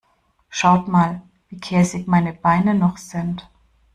Schaut mal, wie käsig meine Beine noch sind.